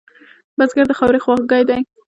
بزګر د خاورې خواخوږی دی